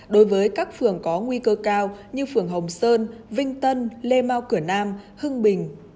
đối với các phường có nguy cơ cao như phường hồng sơn vinh tân lê mau cửa nam hưng bình